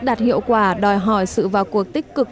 đạt hiệu quả đòi hỏi sự vào cuộc tích cực